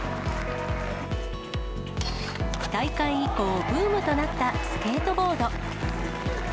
大会以降、ブームとなったスケートボード。